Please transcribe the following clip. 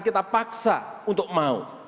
hidup anak dengan masalah